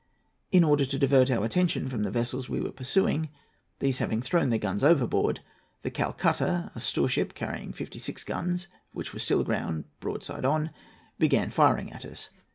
In order to divert our attention from the vessels we were pursuing, these having thrown their guns overboard, the Calcutta, a store ship carrying fifty six guns, which was still aground, broadside on, began firing at us.